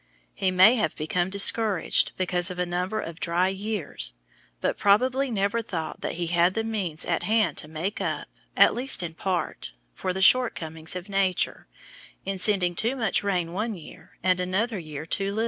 He may have become discouraged because of a number of "dry years," but probably never thought that he had the means at hand to make up, at least in part, for the shortcomings of Nature, in sending too much rain one year, and another year too little.